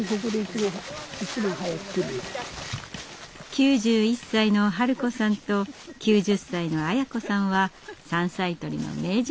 ９１歳のハル子さんと９０歳のアヤ子さんは山菜採りの名人です。